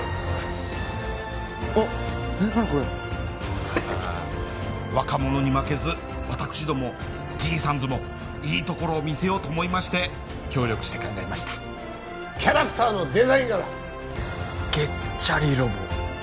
何これ若者に負けず私ども爺さんズもいいところを見せようと思いまして協力して考えましたキャラクターのデザイン画だ「ゲッチャリロボ」